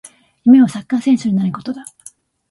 夢はサッカー選手になることだ